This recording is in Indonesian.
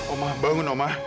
oma bangun oma